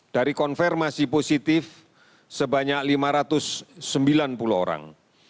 dari konfirmasi positif sebanyak lima ratus sembilan puluh orang